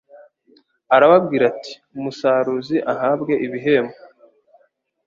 Arababwira ati, “Umusaruzi ahabwe ibihembo,